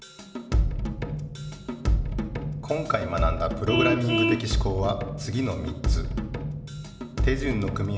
今回学んだプログラミング的思考はつぎの３つじかいも見るべし！